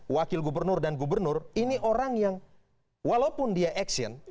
wakil gubernur dan gubernur ini orang yang walaupun dia action